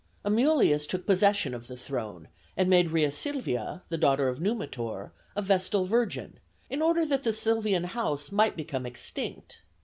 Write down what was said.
Amulius took possession of the throne, and made Rea Silvia, the daughter of Numitor, a vestal virgin, in order that the Silvian house might become extinct.